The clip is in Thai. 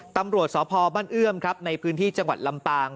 ตำรวจสพบ้านเอื้อมครับในพื้นที่จังหวัดลำปาง